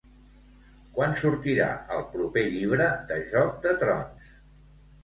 Quan sortirà el proper llibre de "Joc de trons"?